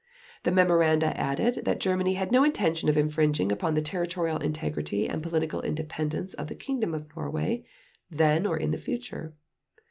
The memoranda added that Germany had no intention of infringing upon the territorial integrity and political independence of the Kingdom of Norway then or in the future.